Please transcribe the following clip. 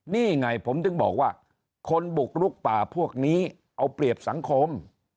นี่ไงผมถึงบอกว่าคนบุกลุกป่าพวกนี้เอาเปรียบสังคม